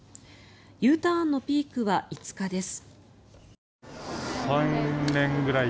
Ｕターンのピークは５日です。